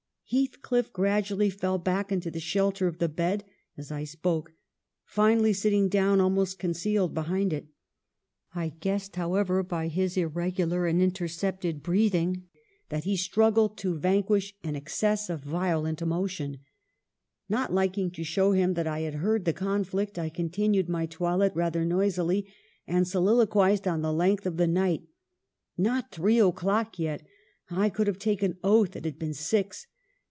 ... Heathcliff grad ually fell back into the shelter of the bed, as I spoke ; finally sitting down almost concealed behind it. I guessed, however, by his irregular and intercepted breathing, that he struggled to < WUTHERING HEIGHTS: 231 vanquish an excess of violent emotion. Not lik ing to show him that I had heard the conflict, I continued my toilette rather noisily ... and soliloquized on the length of the night. 'Not three o'clock yet ! I could have taken oath it had been six.